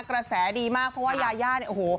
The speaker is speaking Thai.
กระแสดีมากเพราะว่ายาย่าเนี่ยโอ้โห